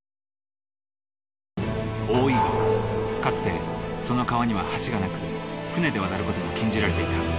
かつてその川には橋が無く船で渡る事も禁じられていた。